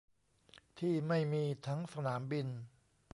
ที่ไม่มีทั้งสนามบิน